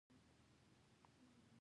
استاد له مینې سره تدریس کوي.